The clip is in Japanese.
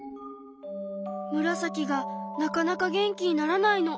ムラサキがなかなか元気にならないの。